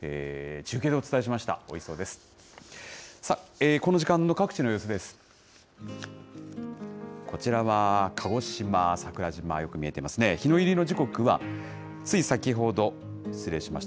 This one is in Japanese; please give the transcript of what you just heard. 中継でお伝えしました。